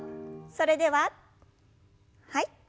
それでははい。